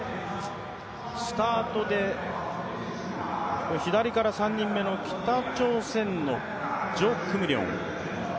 スタートで左から３人目の北朝鮮のジョ・クムリョン。